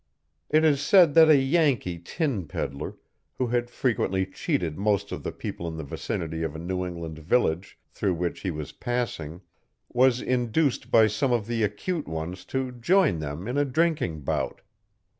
It is said that a Yankee tin peddler, who had frequently cheated most of the people in the vicinity of a New England village through which he was passing, was induced by some of the acute ones to join them in a drinking bout.